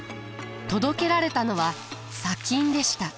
届けられたのは砂金でした。